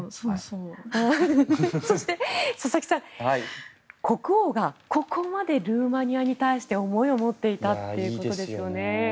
そして、佐々木さん国王がここまでルーマニアに対して思いを持っていたということですね。